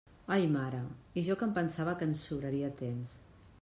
Ai mare, i jo que em pensava que ens sobraria temps.